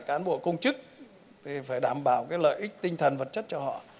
cán bộ công chức thì phải đảm bảo cái lợi ích tinh thần vật chất cho họ